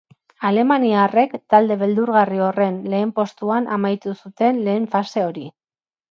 Alemaniarrek talde beldurgarri horren lehen postuan amaitu zuten lehen fase hori.